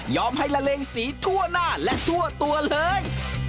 ให้ละเลงสีทั่วหน้าและทั่วตัวเลย